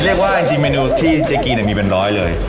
เรียกว่าจริงเมนูที่เจ๊กีมีเป็นร้อยเลย